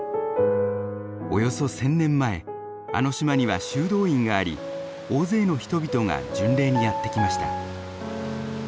およそ１，０００年前あの島には修道院があり大勢の人々が巡礼にやって来ました。